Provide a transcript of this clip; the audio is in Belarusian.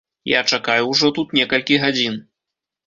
Я чакаю ўжо тут некалькі гадзін.